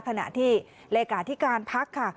ขณะที่เลขาธิการพักค่ะ